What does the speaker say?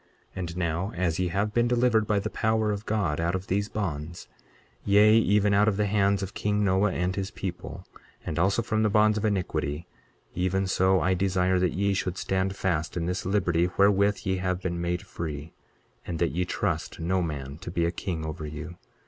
23:13 And now as ye have been delivered by the power of God out of these bonds; yea, even out of the hands of king Noah and his people, and also from the bonds of iniquity, even so I desire that ye should stand fast in this liberty wherewith ye have been made free, and that ye trust no man to be a king over you.